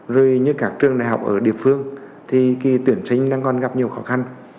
rồi như các trường đại học ở địa phương thì cái tuyển sinh đang còn gặp nhiều khó khăn